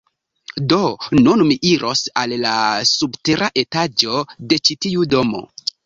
Do, nun mi iros al la subtera etaĝo de ĉi tiu domo